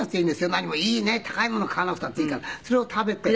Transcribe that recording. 何もいいね高いもの買わなくたっていいからそれを食べて。